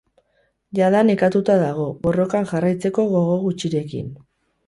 Jada nekatua dago, borrokan jarraitzeko gogo gutxirekin.